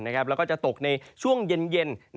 แล้วก็จะตกในช่วงเย็น